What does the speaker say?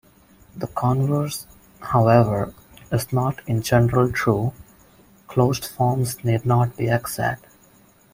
The converse, however, is not in general true; closed forms need not be exact.